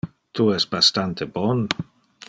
Tu es bastante bon.